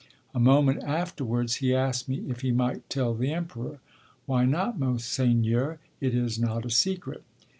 A moment afterwards, he asked me if he might tell the Emperor. 'Why not, monseigneur? It is not a secret.'